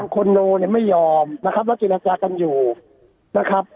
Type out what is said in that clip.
คอนโดไม่ยอมแล้วจินักราชากันอยู่นะครับ